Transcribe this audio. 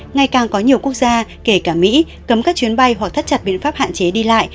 ngày càng có nhiều quốc gia kể cả mỹ cấm các chuyến bay hoặc thắt chặt biện pháp hạn chế đi lại